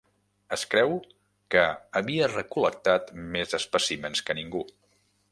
Es creu que havia recol·lectat més espècimens que ningú.